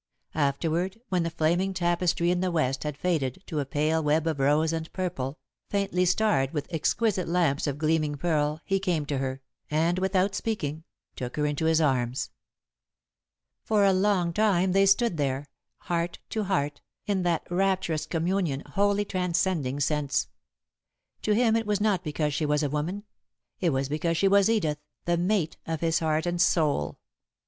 Afterward, when the flaming tapestry in the West had faded to a pale web of rose and purple, faintly starred with exquisite lamps of gleaming pearl, he came to her, and, without speaking, took her into his arms. For a long time they stood there, heart to heart, in that rapturous communion wholly transcending sense. To him it was not because she was a woman; it was because she was Edith, the mate of his heart and soul.